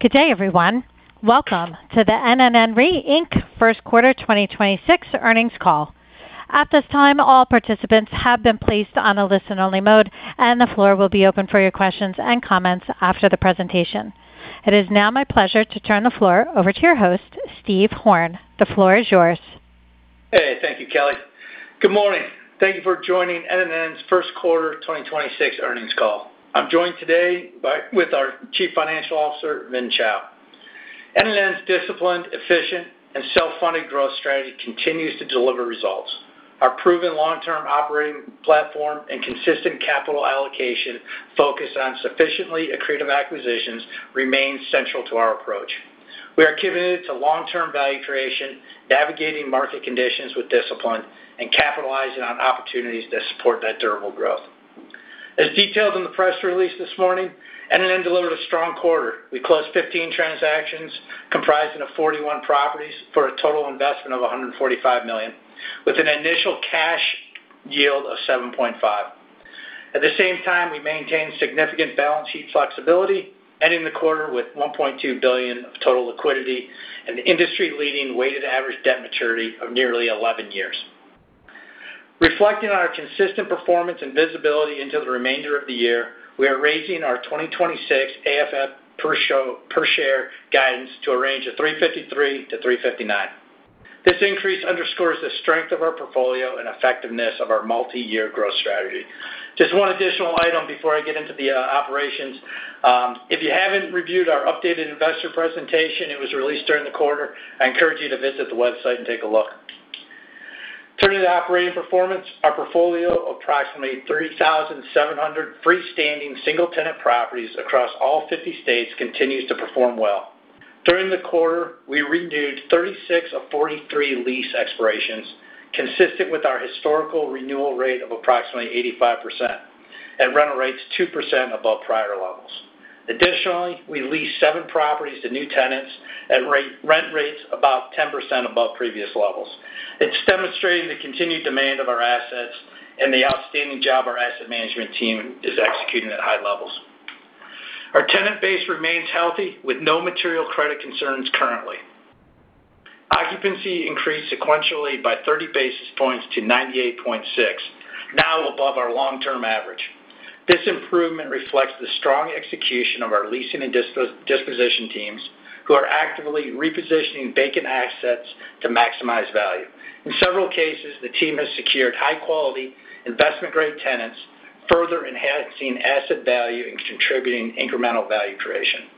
Good day, everyone. Welcome to the NNN REIT, Inc first quarter 2026 earnings call. At this time, all participants have been placed on a listen-only mode. The floor will be open for your questions and comments after the presentation. It is now my pleasure to turn the floor over to your host, Steve Horn. The floor is yours. Hey, thank you, Kelly. Good morning. Thank you for joining NNN's first quarter 2026 earnings call. I'm joined today with our Chief Financial Officer, Vin Chao. NNN's disciplined, efficient, and self-funded growth strategy continues to deliver results. Our proven long-term operating platform and consistent capital allocation focused on sufficiently accretive acquisitions remains central to our approach. We are committed to long-term value creation, navigating market conditions with discipline, and capitalizing on opportunities that support that durable growth. As detailed in the press release this morning, NNN delivered a strong quarter. We closed 15 transactions comprising of 41 properties for a total investment of $145 million, with an initial cash yield of 7.5%. At the same time, we maintained significant balance sheet flexibility, ending the quarter with $1.2 billion of total liquidity and the industry-leading weighted average debt maturity of nearly 11 years. Reflecting on our consistent performance and visibility into the remainder of the year, we are raising our 2026 AFFO per share guidance to a range of $3.53-$3.59. This increase underscores the strength of our portfolio and effectiveness of our multiyear growth strategy. Just one additional item before I get into the operations. If you haven't reviewed our updated investor presentation, it was released during the quarter. I encourage you to visit the website and take a look. Turning to the operating performance, our portfolio of approximately 3,700 freestanding single-tenant properties across all 50 states continues to perform well. During the quarter, we renewed 36 of 43 lease expirations, consistent with our historical renewal rate of approximately 85% at rental rates 2% above prior levels. We leased seven properties to new tenants at rent rates about 10% above previous levels. It's demonstrating the continued demand of our assets and the outstanding job our asset management team is executing at high levels. Our tenant base remains healthy with no material credit concerns currently. Occupancy increased sequentially by 30 basis points to 98.6, now above our long-term average. This improvement reflects the strong execution of our leasing and disposition teams who are actively repositioning vacant assets to maximize value. In several cases, the team has secured high-quality investment-grade tenants, further enhancing asset value and contributing incremental value creation.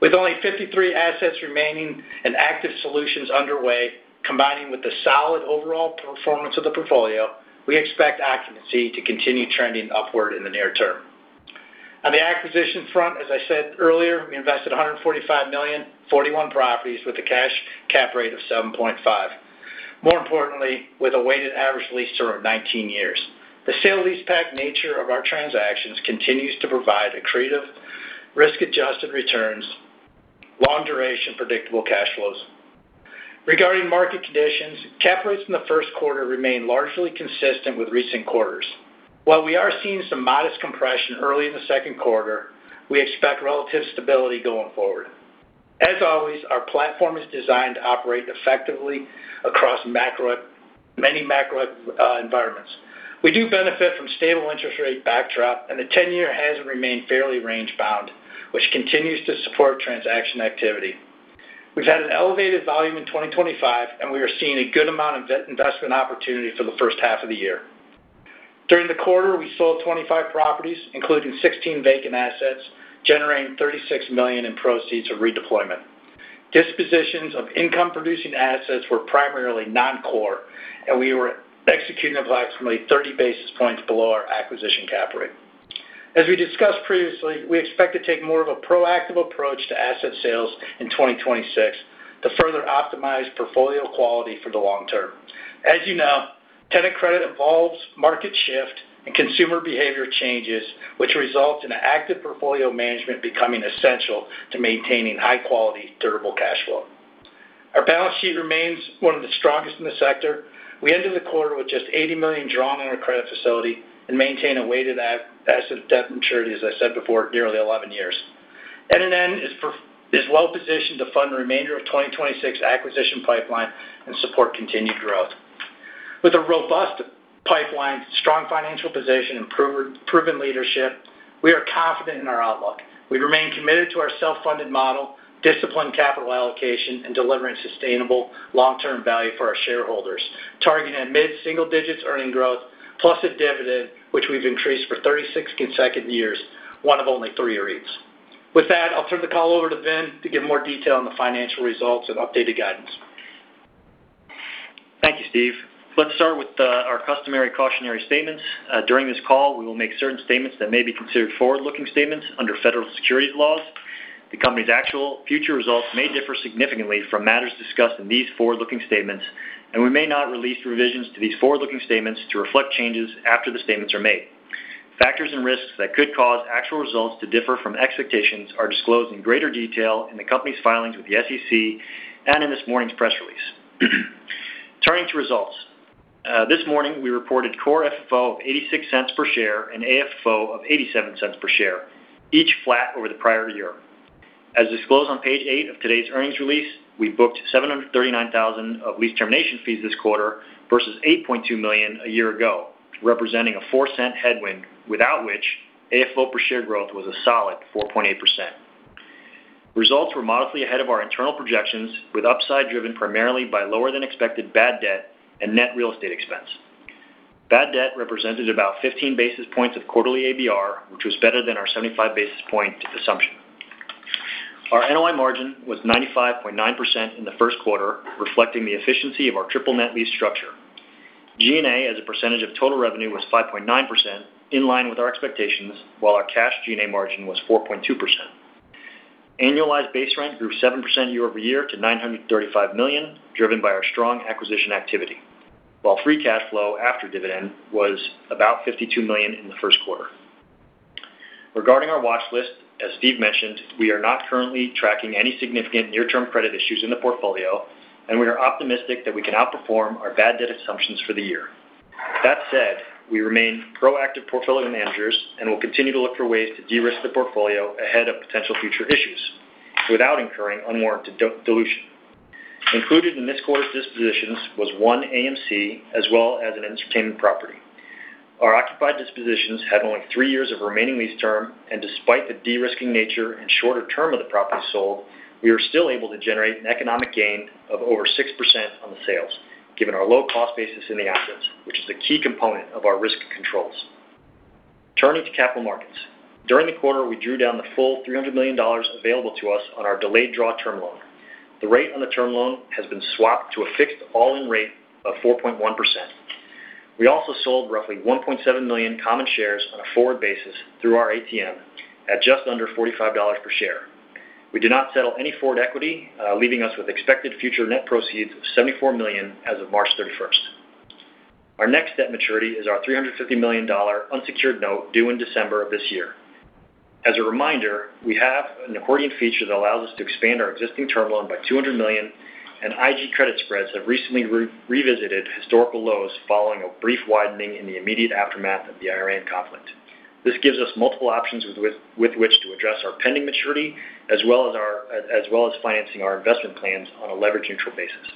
With only 53 assets remaining and active solutions underway, combining with the solid overall performance of the portfolio, we expect occupancy to continue trending upward in the near term. On the acquisition front, as I said earlier, we invested $145 million, 41 properties with a cash cap rate of 7.5%. More importantly, with a weighted average lease term of 19 years. The sale leaseback nature of our transactions continues to provide accretive risk-adjusted returns, long duration, predictable cash flows. Regarding market conditions, cap rates in the first quarter remained largely consistent with recent quarters. While we are seeing some modest compression early in the second quarter, we expect relative stability going forward. As always, our platform is designed to operate effectively across many macro environments. We do benefit from stable interest rate backdrop, and the 10-year has remained fairly range-bound, which continues to support transaction activity. We've had an elevated volume in 2025, and we are seeing a good amount of investment opportunity for the first half of the year. During the quarter, we sold 25 properties, including 16 vacant assets, generating $36 million in proceeds of redeployment. Dispositions of income-producing assets were primarily non-core, and we were executing approximately 30 basis points below our acquisition cap rate. As we discussed previously, we expect to take more of a proactive approach to asset sales in 2026 to further optimize portfolio quality for the long term. As you know, tenant credit evolves, market shift and consumer behavior changes, which results in active portfolio management becoming essential to maintaining high quality, durable cash flow. Our balance sheet remains one of the strongest in the sector. We ended the quarter with just $80 million drawn on our credit facility and maintain a weighted average asset debt maturity, as I said before, nearly 11 years. NNN is well positioned to fund the remainder of 2026 acquisition pipeline and support continued growth. With a robust pipeline, strong financial position, and proven leadership, we are confident in our outlook. We remain committed to our self-funded model, disciplined capital allocation, and delivering sustainable long-term value for our shareholders, targeting mid-single digits earnings growth, plus a dividend which we've increased for 36 consecutive years, one of only three REITs. With that, I'll turn the call over to Vin to give more detail on the financial results and updated guidance. Thank you, Steve. Let's start with our customary cautionary statements. During this call, we will make certain statements that may be considered forward-looking statements under federal securities laws. The company's actual future results may differ significantly from matters discussed in these forward-looking statements, and we may not release revisions to these forward-looking statements to reflect changes after the statements are made. Factors and risks that could cause actual results to differ from expectations are disclosed in greater detail in the company's filings with the SEC and in this morning's press release. Turning to results. This morning, we reported core FFO of $0.86 per share and AFFO of $0.87 per share, each flat over the prior year. As disclosed on page eight of today's earnings release, we booked $739,000 of lease termination fees this quarter versus $8.2 million a year ago, representing a $0.04 headwind, without which AFFO per share growth was a solid 4.8%. Results were modestly ahead of our internal projections, with upside driven primarily by lower than expected bad debt and net real estate expense. Bad debt represented about 15 basis points of quarterly ABR, which was better than our 75 basis point assumption. Our NOI margin was 95.9% in the first quarter, reflecting the efficiency of our triple net lease structure. G&A, as a percentage of total revenue, was 5.9%, in line with our expectations, while our cash G&A margin was 4.2%. Annualized base rent grew 7% year-over-year to $935 million, driven by our strong acquisition activity, while free cash flow after dividend was about $52 million in the first quarter. Regarding our watch list, as Steve mentioned, we are not currently tracking any significant near-term credit issues in the portfolio, and we are optimistic that we can outperform our bad debt assumptions for the year. That said, we remain proactive portfolio managers and will continue to look for ways to de-risk the portfolio ahead of potential future issues without incurring unwarranted de-dilution. Included in this quarter's dispositions was one AMC as well as an entertainment property. Our occupied dispositions had only three years of remaining lease term, and despite the de-risking nature and shorter term of the property sold, we were still able to generate an economic gain of over 6% on the sales, given our low cost basis in the assets, which is a key component of our risk controls. Turning to capital markets. During the quarter, we drew down the full $300 million available to us on our delayed draw term loan. The rate on the term loan has been swapped to a fixed all-in rate of 4.1%. We also sold roughly 1.7 million common shares on a forward basis through our ATM at just under $45 per share. We did not settle any forward equity, leaving us with expected future net proceeds of $74 million as of March 31st. Our next debt maturity is our $350 million unsecured note due in December of this year. As a reminder, we have an accordion feature that allows us to expand our existing term loan by $200 million, and IG credit spreads have recently revisited historical lows following a brief widening in the immediate aftermath of the Iran conflict. This gives us multiple options with which to address our pending maturity as well as financing our investment plans on a leverage-neutral basis.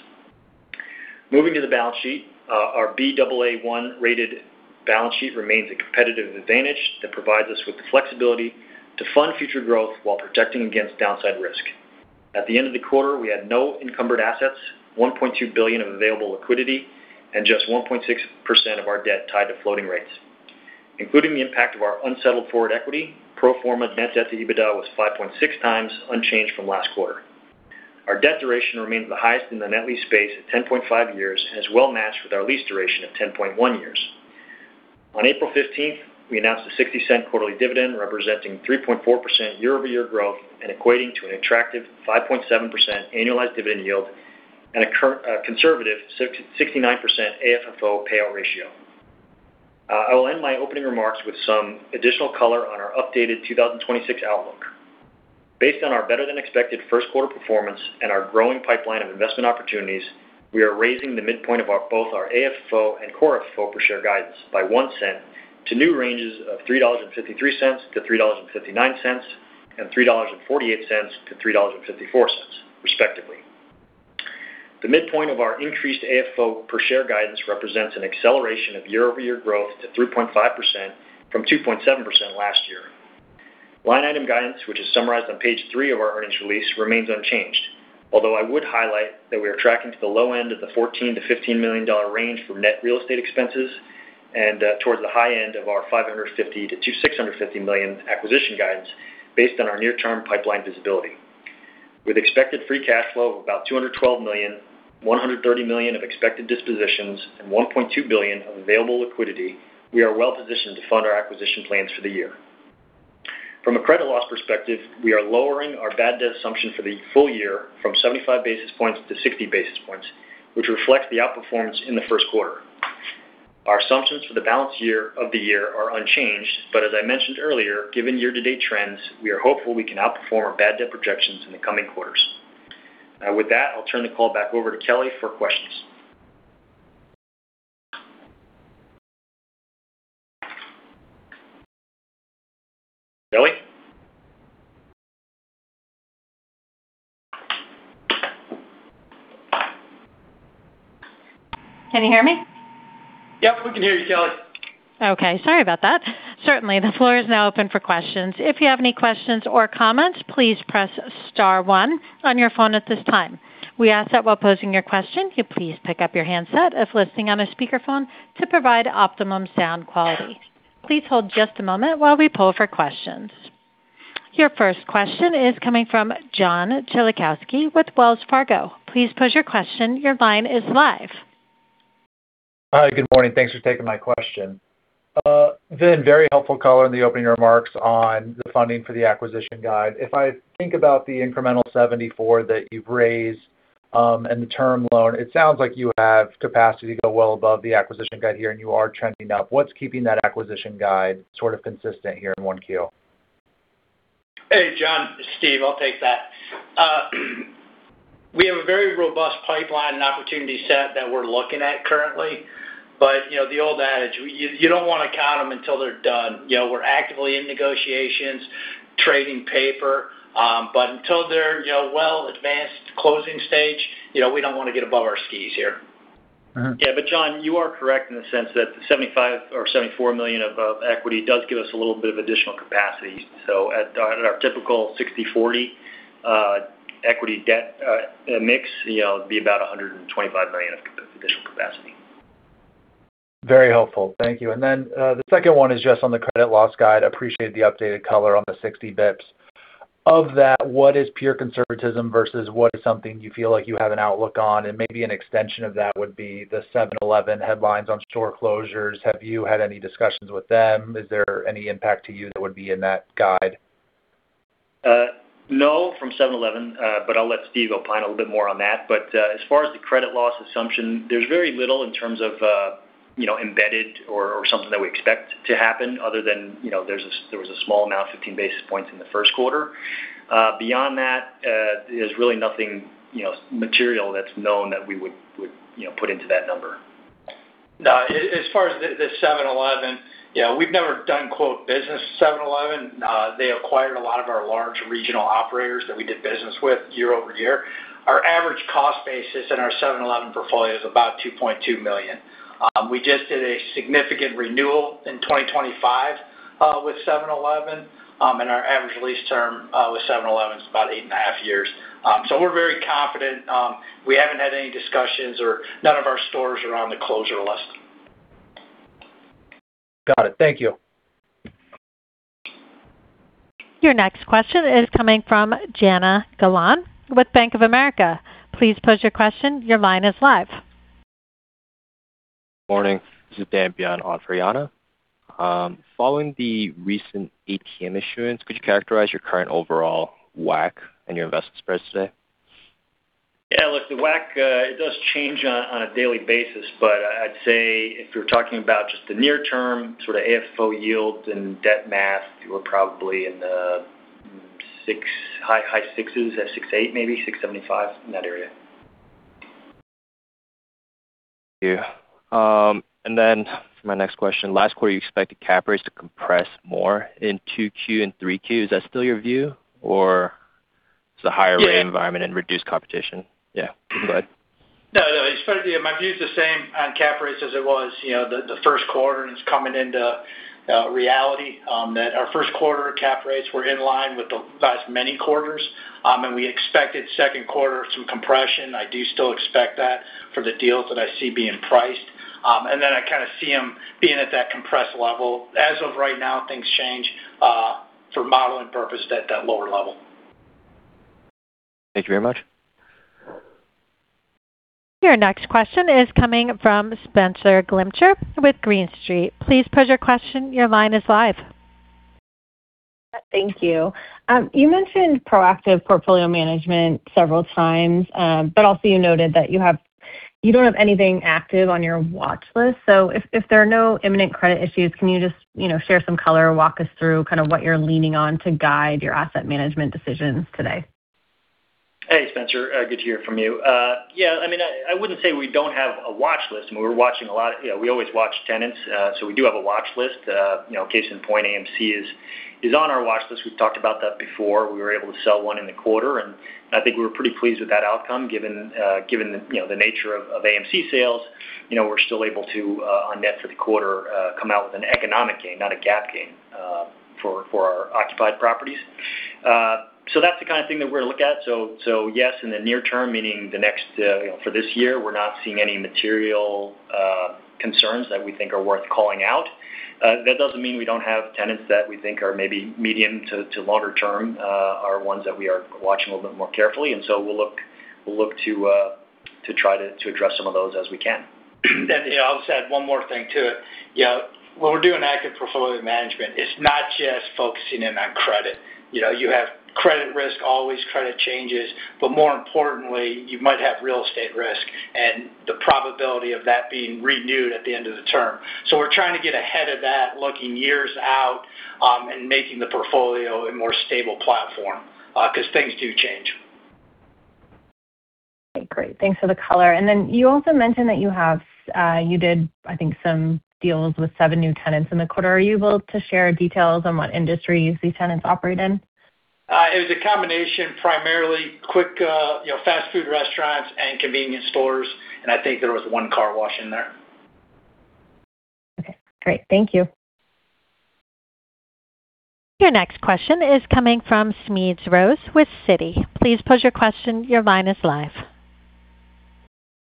Moving to the balance sheet. Our Baa1 rated balance sheet remains a competitive advantage that provides us with the flexibility to fund future growth while protecting against downside risk. At the end of the quarter, we had no encumbered assets, $1.2 billion of available liquidity, and just 1.6% of our debt tied to floating rates. Including the impact of our unsettled forward equity, pro forma net debt to EBITDA was 5.6 times unchanged from last quarter. Our debt duration remains the highest in the net lease space at 10.5 years and is well matched with our lease duration of 10.1 years. On April 15th, we announced a $0.60 quarterly dividend representing 3.4% year-over-year growth and equating to an attractive 5.7% annualized dividend yield and a conservative 66.9% AFFO payout ratio. I will end my opening remarks with some additional color on our updated 2026 outlook. Based on our better-than-expected first quarter performance and our growing pipeline of investment opportunities, we are raising the midpoint of both our AFFO and core FFO per share guidance by $0.01 to new ranges of $3.53-$3.59 and $3.48-$3.54, respectively. The midpoint of our increased AFFO per share guidance represents an acceleration of year-over-year growth to 3.5% from 2.7% last year. Line item guidance, which is summarized on page three of our earnings release, remains unchanged. Although I would highlight that we are tracking to the low end of the $14 million-$15 million range for net real estate expenses and, towards the high end of our $550 million-$650 million acquisition guidance based on our near-term pipeline visibility. With expected free cash flow of about $212 million, $130 million of expected dispositions, and $1.2 billion of available liquidity, we are well positioned to fund our acquisition plans for the year. From a credit loss perspective, we are lowering our bad debt assumption for the full year from 75 basis points to 60 basis points, which reflects the outperformance in the first quarter. Our assumptions for the balance of the year are unchanged, as I mentioned earlier, given year-to-date trends, we are hopeful we can outperform our bad debt projections in the coming quarters. With that, I'll turn the call back over to Kelly for questions. Kelly? Can you hear me? Yep, we can hear you, Kelly. Okay, sorry about that. Certainly, the floor is now open for questions. If you have any questions or comments, please press star one on your phone at this time. We ask that while posing your question, can you please pick up your handset if listening on a speakerphone to provide optimum sound quality. Please hold just a moment while we poll for questions. Your first question is coming from John Kilichowski with Wells Fargo. Please pose your question. Your line is live. Hi, good morning. Thanks for taking my question. Vin, very helpful color in the opening remarks on the funding for the acquisition guide. If I think about the incremental $74 that you've raised, and the term loan, it sounds like you have capacity to go well above the acquisition guide here and you are trending up. What's keeping that acquisition guide sort of consistent here in 1Q? Hey, John, Steve, I'll take that. We have a very robust pipeline and opportunity set that we're looking at currently. You know, the old adage, you don't wanna count them until they're done. You know, we're actively in negotiations, trading paper. Until they're, you know, well advanced closing stage, you know, we don't wanna get above our skis here. Mm-hmm. Yeah. John, you are correct in the sense that $75 or $74 million of equity does give us a little bit of additional capacity. At our typical 60/40 equity debt mix, you know, it'd be about $125 million of additional capacity. Very helpful. Thank you. The second one is just on the credit loss guide. Appreciate the updated color on the 60 basis points. Of that, what is pure conservatism versus what is something you feel like you have an outlook on? Maybe an extension of that would be the 7-Eleven headlines on store closures. Have you had any discussions with them? Is there any impact to you that would be in that guide? No, from 7-Eleven. I'll let Steve opine a little bit more on that. As far as the credit loss assumption, there's very little in terms of, you know, embedded or something that we expect to happen other than, you know, there was a small amount, 15 basis points in the first quarter. Beyond that, there's really nothing, you know, material that's known that we would, you know, put into that number. No. As far as the 7-Eleven, you know, we've never done quote business with 7-Eleven. They acquired a lot of our large regional operators that we did business with year-over-year. Our average cost basis in our 7-Eleven portfolio is about $2.2 million. We just did a significant renewal in 2025 with 7-Eleven. Our average lease term with 7-Eleven is about eight and a half years. We're very confident. We haven't had any discussions or none of our stores are on the closure list. Got it. Thank you. Your next question is coming from Yana Galan with Bank of America. Please pose your question. Your line is live. Morning. This is Dan on for Yana. Following the recent ATM issuance, could you characterize your current overall WACC and your investment spreads today? Yeah, look, the WACC, it does change on a daily basis, but I'd say if you're talking about just the near term sort of AFFO yield and debt math, we're probably in the high sixes at 6.8%, maybe 6.75%, in that area. Yeah. For my next question, last quarter, you expected cap rates to compress more in 2Q and 3Q. Is that still your view, or is the higher rate environment and reduced competition? Yeah, go ahead. No, no, it's fair to. My view is the same on cap rates as it was, you know, the first quarter, and it's coming into reality that our first quarter cap rates were in line with the last many quarters. We expected second quarter some compression. I do still expect that for the deals that I see being priced. Then I kind of see them being at that compressed level. As of right now, things change for modeling purpose at that lower level. Thank you very much. Your next question is coming from Spenser Glimcher with Green Street. Please pose your question. Your line is live. Thank you. You mentioned proactive portfolio management several times. Also, you noted that you don't have anything active on your watch list. If there are no imminent credit issues, can you just, you know, share some color or walk us through kind of what you're leaning on to guide your asset management decisions today? Hey, Spenser. Good to hear from you. Yeah, I mean, I wouldn't say we don't have a watch list. I mean, we're watching a lot. You know, we always watch tenants. We do have a watch list. You know, case in point, AMC is on our watch list. We've talked about that before. We were able to sell one in the quarter, and I think we were pretty pleased with that outcome given, you know, the nature of AMC sales. You know, we're still able to, on net for the quarter, come out with an economic gain, not a GAAP gain, for our occupied properties. That's the kind of thing that we're gonna look at. Yes, in the near term, meaning the next, you know, for this year, we're not seeing any material concerns that we think are worth calling out. That doesn't mean we don't have tenants that we think are maybe medium to longer term, are ones that we are watching a little bit more carefully. We'll look to try to address some of those as we can. You know, I'll just add one more thing to it. You know, when we're doing active portfolio management, it's not just focusing in on credit. You know, you have credit risk, always credit changes. More importantly, you might have real estate risk and the probability of that being renewed at the end of the term. We're trying to get ahead of that, looking years out, and making the portfolio a more stable platform, because things do change. Okay, great. Thanks for the color. You also mentioned that you did, I think, some deals with seven new tenants in the quarter. Are you able to share details on what industries these tenants operate in? It was a combination, primarily quick, you know, fast food restaurants and convenience stores, and I think there was one car wash in there. Okay, great. Thank you. Your next question is coming from Smedes Rose with Citi. Please pose your question. Your line is live.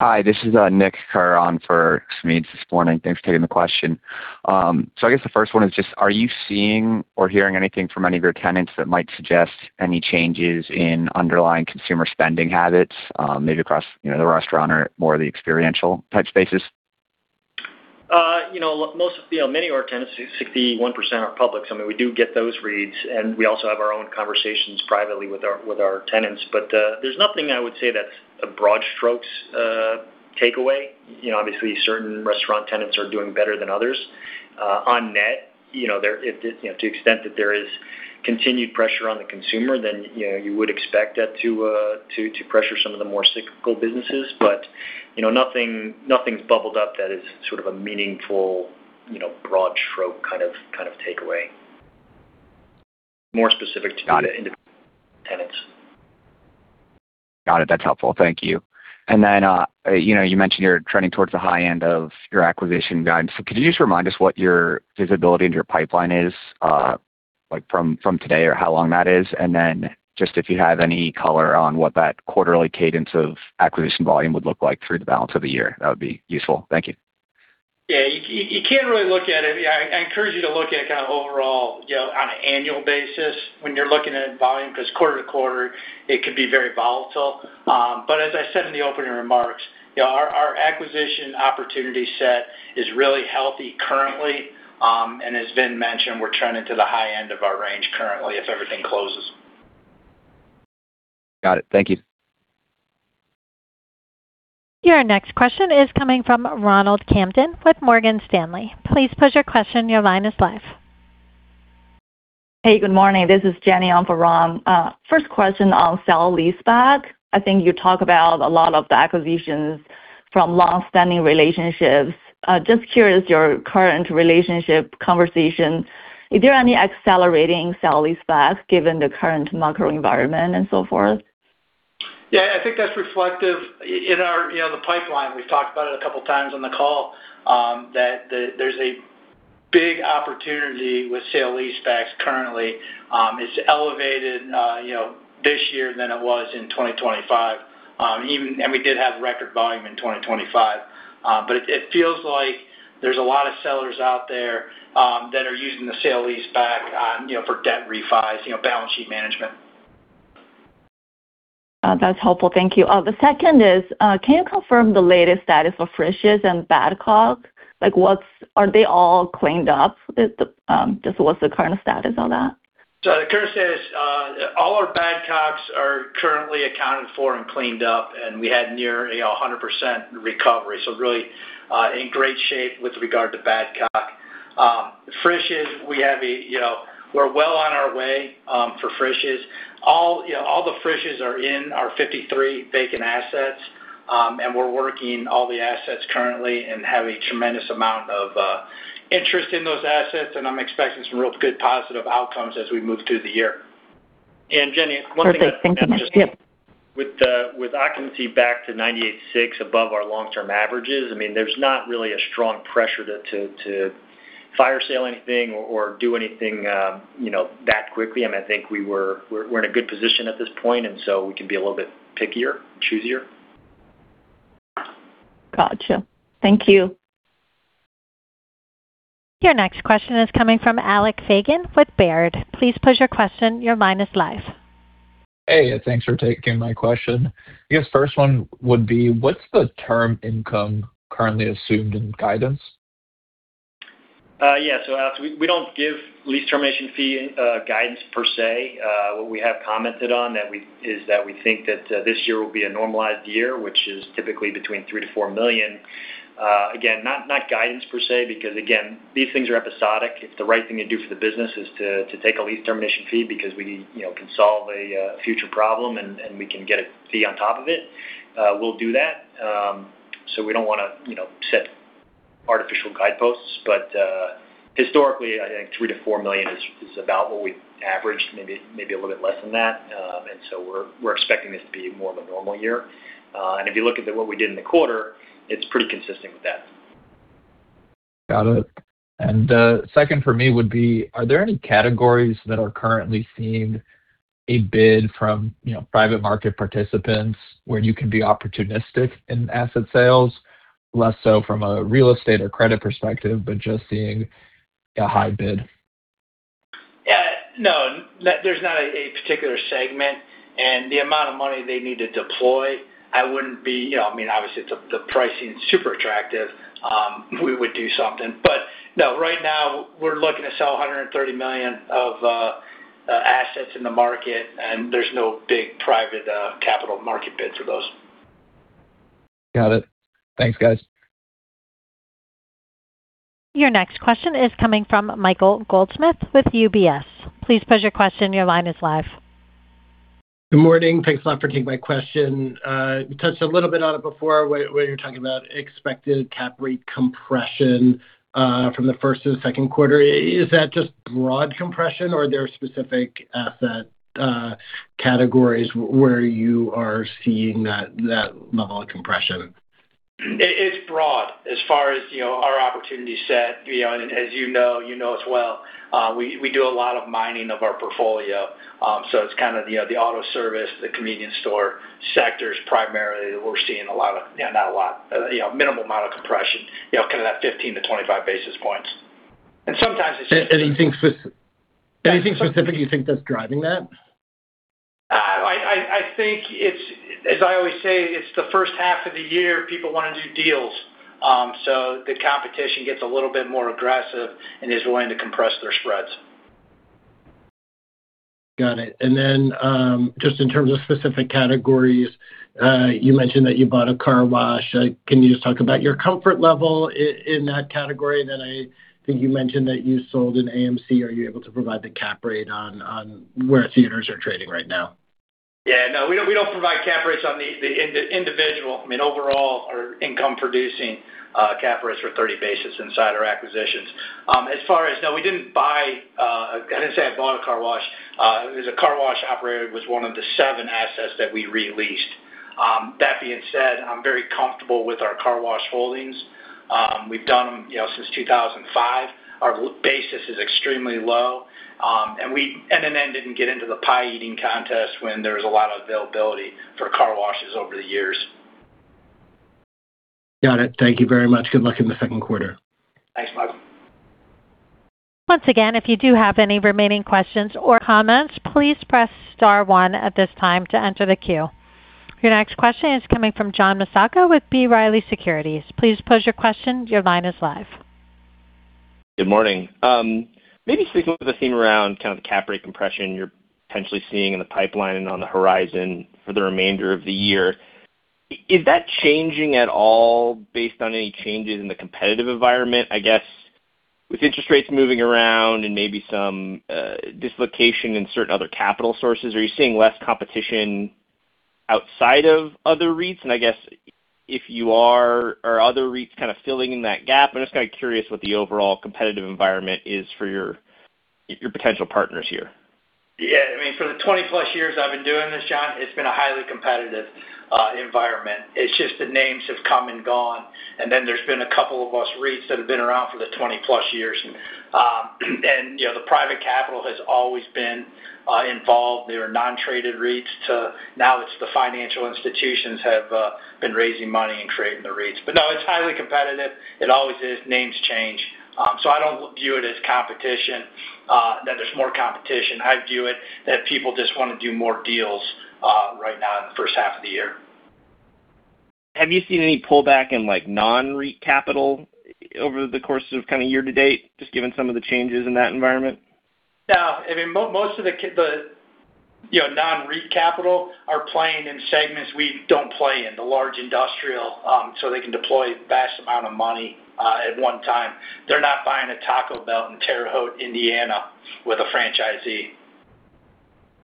Hi, this is Nick on for Smedes this morning. Thanks for taking the question. I guess the first one is just, are you seeing or hearing anything from any of your tenants that might suggest any changes in underlying consumer spending habits, maybe across, you know, the restaurant or more of the experiential type spaces? You know, many of our tenants, 61% are public. I mean, we do get those reads, and we also have our own conversations privately with our tenants. There's nothing I would say that's a broad strokes takeaway. You know, obviously certain restaurant tenants are doing better than others. On net, you know, to extent that there is continued pressure on the consumer, then, you know, you would expect that to pressure some of the more cyclical businesses. You know, nothing's bubbled up that is sort of a meaningful, you know, broad stroke kind of takeaway. More specific to the individual tenants. Got it. That's helpful. Thank you. You know, you mentioned you're trending towards the high end of your acquisition guidance. Could you just remind us what your visibility into your pipeline is like from today or how long that is? Just if you have any color on what that quarterly cadence of acquisition volume would look like through the balance of the year, that would be useful. Thank you. You, you can really look at it. I encourage you to look at kind of overall, you know, on an annual basis when you're looking at volume, because quarter to quarter it could be very volatile. As I said in the opening remarks, you know, our acquisition opportunity set is really healthy currently. As Vin mentioned, we're trending to the high end of our range currently if everything closes. Got it. Thank you. Your next question is coming from Ronald Kamdem with Morgan Stanley. Please pose your question. Your line is live. Hey, good morning. This is Jenny on for Ron. First question on sale-leaseback. I think you talk about a lot of the acquisitions from longstanding relationships. Just curious, your current relationship conversation, is there any accelerating sale-leaseback given the current macro environment and so forth? Yeah, I think that's reflective in our pipeline. We've talked about it a couple times on the call, that there's a big opportunity with sale leasebacks currently. It's elevated this year than it was in 2025, and we did have record volume in 2025. It feels like there's a lot of sellers out there that are using the sale leaseback for debt refis, balance sheet management. That's helpful. Thank you. The second is, can you confirm the latest status of Frisch's and Badcock? Like, what's, are they all cleaned up? Just what's the current status on that? The current status, all our Badcocks are currently accounted for and cleaned up, and we had near, you know, 100% recovery. Really, in great shape with regard to Badcock. Frisch's, we have a, you know, we're well on our way for Frisch's. All, you know, all the Frisch's are in our 53 vacant assets. And we're working all the assets currently and have a tremendous amount of interest in those assets, and I'm expecting some real good positive outcomes as we move through the year. Jenny, one thing I'd add. Perfect. Thank you. Yeah. With occupancy back to 98.6% above our long-term averages, I mean, there's not really a strong pressure to fire sale anything or do anything, you know, that quickly. I mean, I think we're in a good position at this point, and so we can be a little bit pickier and choosier. Gotcha. Thank you. Your next question is coming from Alex Fagan with Baird. Please pose your question. Your line is live. Hey, thanks for taking my question. I guess first one would be, what's the term income currently assumed in guidance? Yeah. As we don't give lease termination fee guidance per se. What we have commented on is that we think that this year will be a normalized year, which is typically between $3 million-$4 million. Again, not guidance per se because again, these things are episodic. If the right thing to do for the business is to take a lease termination fee because we, you know, can solve a future problem and we can get a fee on top of it, we'll do that. We don't wanna, you know, set artificial guideposts. Historically, I think $3 million-$4 million is about what we've averaged, maybe a little bit less than that. We're, we're expecting this to be more of a normal year. If you look at what we did in the quarter, it's pretty consistent with that. Got it. Second for me would be, are there any categories that are currently seeing a bid from, you know, private market participants where you can be opportunistic in asset sales? Less so from a real estate or credit perspective, but just seeing a high bid. Yeah. No, there's not a particular segment. The amount of money they need to deploy. You know what I mean? Obviously, if the pricing is super attractive, we would do something. No, right now we're looking to sell $130 million of assets in the market, and there's no big private capital market bid for those. Got it. Thanks, guys. Your next question is coming from Michael Goldsmith with UBS. Please pose your question. Your line is live. Good morning. Thanks a lot for taking my question. You touched a little bit on it before where you're talking about expected cap rate compression from the first to the second quarter. Is that just broad compression or are there specific asset categories where you are seeing that level of compression? It's broad as far as, you know, our opportunity set, you know. As you know, you know as well, we do a lot of mining of our portfolio. So it's kind of the auto service, the convenience store sectors primarily that we're seeing a lot of. Not a lot, you know, minimal amount of compression, you know, kind of that 15 to 25 basis points. Sometimes it's just. Anything specific you think that's driving that? I think it's. As I always say, it's the first half of the year, people wanna do deals. The competition gets a little bit more aggressive and is willing to compress their spreads. Got it. Just in terms of specific categories, you mentioned that you bought a car wash. Can you just talk about your comfort level in that category? I think you mentioned that you sold an AMC. Are you able to provide the cap rate on where theaters are trading right now? We don't provide cap rates on the individual. I mean, overall our income producing cap rates are 30 basis inside our acquisitions. We didn't buy, I didn't say I bought a car wash. It was a car wash operator. It was one of the seven assets that we re-leased. That being said, I'm very comfortable with our car wash holdings. We've done them, you know, since 2005. Our basis is extremely low. NNN didn't get into the pie eating contest when there was a lot of availability for car washes over the years. Got it. Thank you very much. Good luck in the second quarter. Thanks, Michael. Once again, if you do have any remaining questions or comments, please press star one at this time to enter the queue. Your next question is coming from John Massocca with B. Riley Securities. Please ask your question, your line is live. Good morning. Maybe sticking with the theme around kind of the cap rate compression you're potentially seeing in the pipeline and on the horizon for the remainder of the year, is that changing at all based on any changes in the competitive environment? I guess with interest rates moving around and maybe some dislocation in certain other capital sources, are you seeing less competition outside of other REITs? I guess if you are other REITs kind of filling in that gap? I'm just kind of curious what the overall competitive environment is for your potential partners here. Yeah, I mean, for the 20+ years I've been doing this, John, it's been a highly competitive environment. It's just the names have come and gone, there's been a couple of us REITs that have been around for the 20+ years. You know, the private capital has always been involved. There are non-traded REITs to now it's the financial institutions have been raising money and creating the REITs. No, it's highly competitive. It always is. Names change. I don't view it as competition, that there's more competition. I view it that people just wanna do more deals right now in the first half of the year. Have you seen any pullback in, like, non-REIT capital over the course of kind of year to date, just given some of the changes in that environment? No. I mean, most of the, you know, non-REIT capital are playing in segments we don't play in, the large industrial, so they can deploy vast amount of money at one time. They're not buying a Taco Bell in Terre Haute, Indiana, with a franchisee.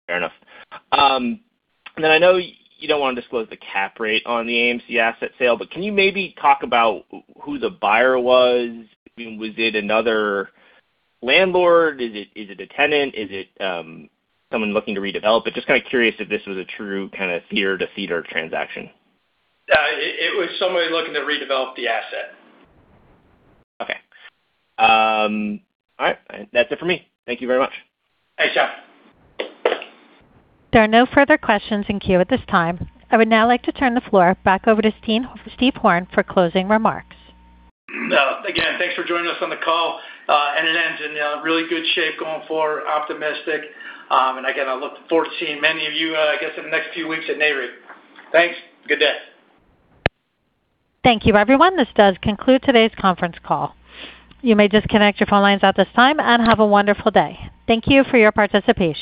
Fair enough. I know you don't wanna disclose the cap rate on the AMC asset sale, but can you maybe talk about who the buyer was? I mean, was it another landlord? Is it a tenant? Is it, someone looking to redevelop? Just kind of curious if this was a true kind of theater to theater transaction. It was somebody looking to redevelop the asset. Okay. All right. That's it for me. Thank you very much. Thanks, John. There are no further questions in queue at this time. I would now like to turn the floor back over to Steve Horn for closing remarks. Again, thanks for joining us on the call. NNN's in, you know, really good shape going forward, optimistic. Again, I look forward to seeing many of you, I guess, in the next few weeks at Nareit. Thanks. Good day. Thank you, everyone. This does conclude today's conference call. You may disconnect your phone lines at this time, and have a wonderful day. Thank you for your participation.